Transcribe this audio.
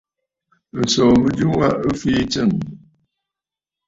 Ǹsòò mɨjɨ wa ɨ fii tsɨ̂ŋ.